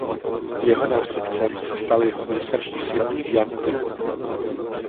Jeho nástupcem se stal jeho nejstarší syn Jan Zikmund.